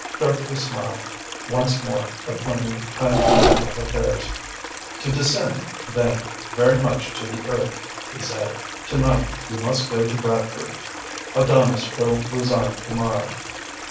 Dartrey smiled, once more the plain, kindly man of affairs. "To descend, then, very much to the earth," he said, "to night you must go to Bradford. Odames will resign to morrow.